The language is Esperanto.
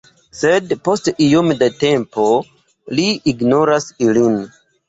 Sed post iom da tempo, ri ignoras ilin.